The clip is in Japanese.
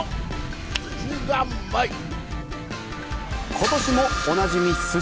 今年もおなじみすし